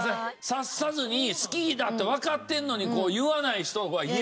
察さずに好きだってわかってるのに言わない人は嫌？